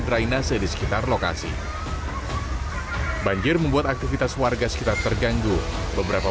drainase di sekitar lokasi banjir membuat aktivitas warga sekitar terganggu beberapa